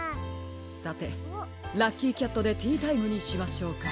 さてラッキーキャットでティータイムにしましょうか。